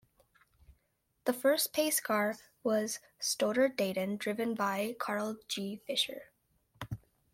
The first pace car was a Stoddard-Dayton driven by Carl G. Fisher.